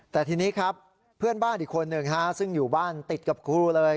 แต่ทีนี้ครับเพื่อนบ้านอีกคนหนึ่งซึ่งอยู่บ้านติดกับครูเลย